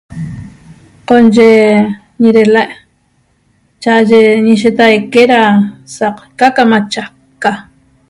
qonye ñerela chaye ñeshetaique da saqca qamachaqca .